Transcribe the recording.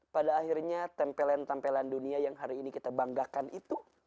pada akhirnya tempelan tempelan dunia yang hari ini kita banggakan itu